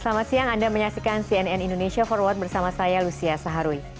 selamat siang anda menyaksikan cnn indonesia forward bersama saya lucia saharwi